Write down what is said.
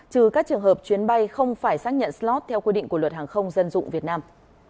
trừ các trường hợp chuyến bay không phải xác nhận slot theo quy định của luật hàng không dân dụng việt nam